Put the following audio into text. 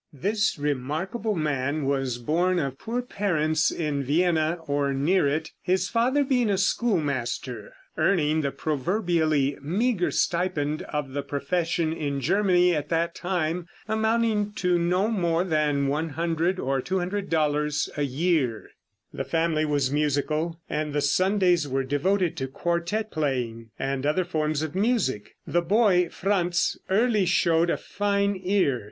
This remarkable man was born of poor parents in Vienna, or near it, his father being a schoolmaster, earning the proverbially meager stipend of the profession in Germany at that time, amounting to no more than $100 or $200 a year. The family was musical, and the Sundays were devoted to quartette playing and other forms of music. The boy Franz early showed a fine ear.